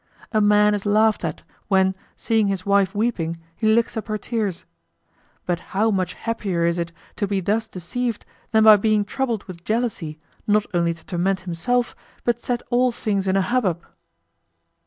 A man is laughed at, when seeing his wife weeping he licks up her tears. But how much happier is it to be thus deceived than by being troubled with jealousy not only to torment himself but set all things in a hubbub!